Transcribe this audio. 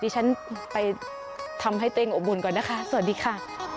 สวัสดีค่ะ